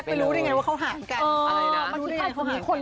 แกไปรู้ได้ยังไงว่าเขาหารกัน